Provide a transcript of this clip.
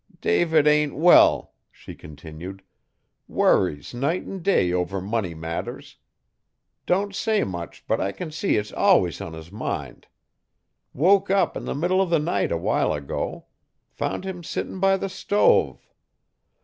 'David ain't well,' she continued. 'Worries night 'n day over money matters. Don't say much, but I can see it's alwuss on his mind. Woke up in the middle o' the night awhile ago. Found him sittin' by the stove.